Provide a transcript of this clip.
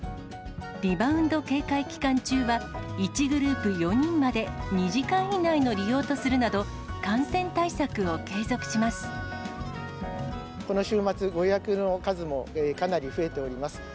リバウンド警戒期間中は、１グループ４人まで、２時間以内の利用とするなど、この週末、ご予約の数もかなり増えております。